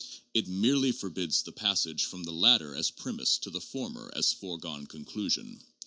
It merely forbids the passage from the latter as premise to the former as foregone conclusion.